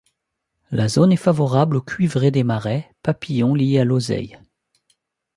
La zone est favorable au cuivré des marais, papillon, lié à l'oseille.